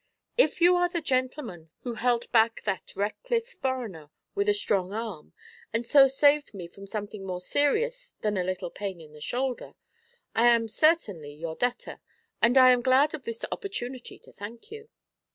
If you are the gentleman who held back that reckless foreigner with a strong arm, and so saved me from something more serious than a little pain in the shoulder, I am certainly your debtor, and I am glad of this opportunity to thank you.'